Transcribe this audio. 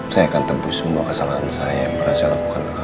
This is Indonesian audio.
saya akan tembus semua kesalahan saya yang berhasil lakukan oleh kamu